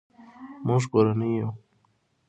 مونږ کورنۍ یو